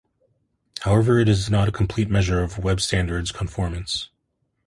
However, it is not a complete measure of web standards conformance.